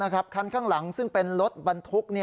คันข้างหลังซึ่งเป็นรถบรรทุก